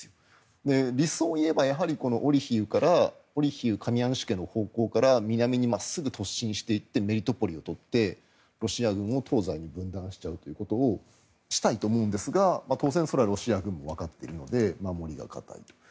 理想を言えばオリヒウカミシャンシケの方向から南に真っすぐ突進していってメリトポリを取ってロシア軍を東西に分断しちゃうということをしたいと思うんですが当然それはロシア軍も分かっているので守りが堅いと。